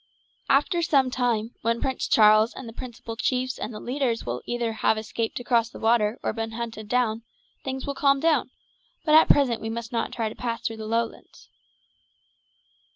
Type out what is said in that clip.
After some time, when Prince Charles and the principal chiefs and the leaders will either have escaped across the water or been hunted down, things will calm down; but at present we must not try to pass through the Lowlands."